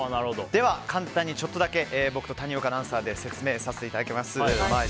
簡単に僕と谷岡アナウンサーで説明させていただきます。